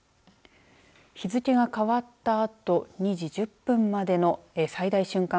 日付が変わったあと２時１０分までの最大瞬間